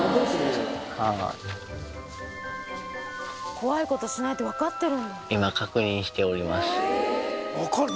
怖いことしないって分かってる。